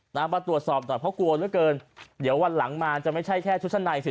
นะฮะตรวจสอบแต่เพราะกลัวเกินเดี๋ยววันหลังมาจะไม่ใช่แค่ชุดชั้นในสิ